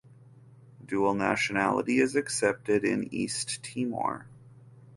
Dual nationality is accepted in East Timor.